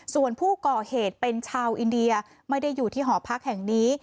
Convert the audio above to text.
ส่วนผู้ก่อเหตุเป็นชาวอินเดียไม่ได้อยู่ที่หอพักแห่งนี้